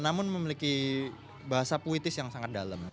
namun memiliki bahasa puitis yang sangat dalam